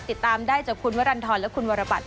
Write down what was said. ติดตามได้จากคุณวรรณฑรและคุณวรบัตร